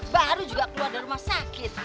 baru juga keluar dari rumah sakit